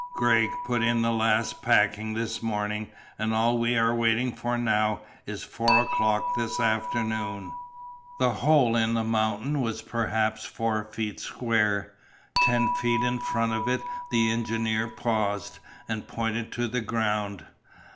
"Gregg put in the last packing this morning, and all we are waiting for now is four o'clock this afternoon." The hole in the mountain was perhaps four feet square. Ten feet in front of it the engineer paused, and pointed to the ground.